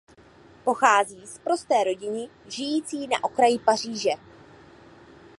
Pochází z prosté rodiny žijící na okraji Paříže.